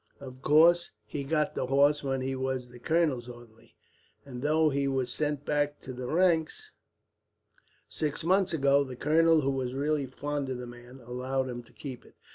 Of course, he got the horse when he was the colonel's orderly; and though he was sent back to the ranks six months ago, the colonel, who was really fond of the man, allowed him to keep it."